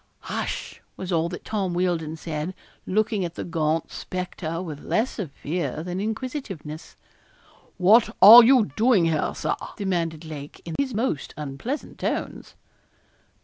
'Hush!'was all that Tom Wealdon said, looking at the gaunt spectre with less of fear than inquisitiveness. 'What are you doing here, Sir?' demanded Lake, in his most unpleasant tones.